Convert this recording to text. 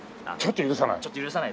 ちょっと許さない。